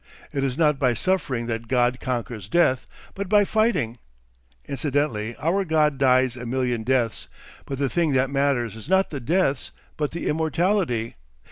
It is not by suffering that God conquers death, but by fighting. Incidentally our God dies a million deaths, but the thing that matters is not the deaths but the immortality.